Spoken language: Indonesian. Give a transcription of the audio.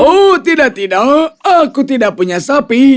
oh tidak tidak aku tidak punya sapi